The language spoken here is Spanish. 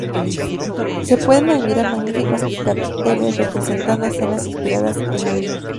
Se pueden admirar magníficos capiteles, representando escenas inspiradas en la Biblia.